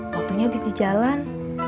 waktunya habis di jalan